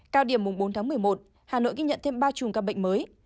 cao điểm bốn tháng một mươi một hà nội ghi nhận thêm ba chùm ca bệnh mới